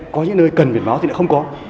có những nơi cần biển báo thì lại không có